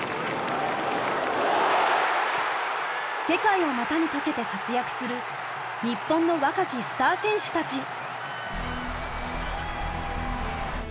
世界を股にかけて活躍する日本の若きスター選手たち。